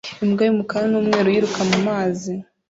Imbwa y'umukara-n'umweru yiruka mu mazi